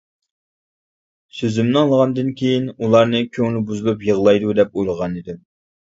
سۆزۈمنى ئاڭلىغاندىن كېيىن ئۇلارنى كۆڭلى بۇزۇلۇپ يىغلايدۇ دەپ ئويلىغانىدىم.